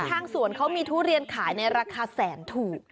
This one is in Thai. ทางสวนเขามีทุเรียนขายในราคาแสนถูก